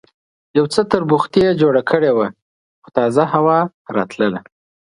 یو څه تربوختي یې جوړه کړې وه، خو تازه هوا راتلله.